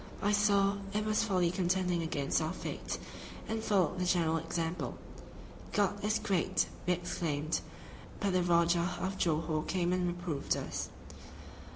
I saw it was folly contending against our fate, and followed the general example. "God is great!" we exclaimed, but the Rajah of Johore came and reproved us.